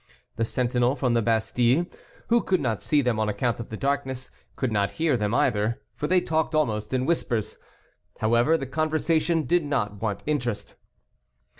The sentinel from the Bastile; who could not see them on account of the darkness, could not hear them either, for they talked almost in whispers. However, the conversation did not want interest.